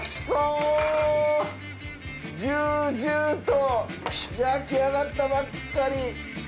ジュージューと焼き上がったばっかり。